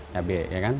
cabai ya kan